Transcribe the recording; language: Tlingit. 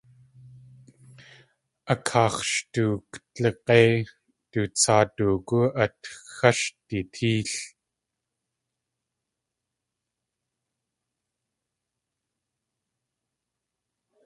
A kaax̲ sh tukdlig̲éi du tsaa doogú at xáshdi téel.